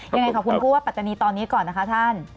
ยังไงคะคุณพูดว่าปัจจันีย์ตอนนี้ก่อนนะคะท่าน